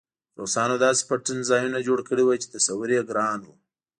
روسانو داسې پټنځایونه جوړ کړي وو چې تصور یې ګران و